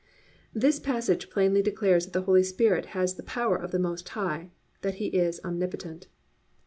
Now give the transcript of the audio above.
"+ This passage plainly declares that the Holy Spirit has the power of the Most High, that He is omnipotent.